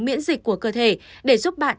miễn dịch của cơ thể để giúp bạn